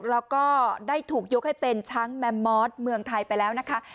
แล้วก็ได้ถูกยกให้เป็นช้างแมมมอสเมืองไทยไปแล้วนะคะ